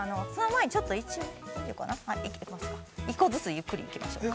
１個ずつゆっくりいきましょうか。